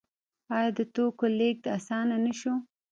آیا د توکو لیږد اسانه نشو؟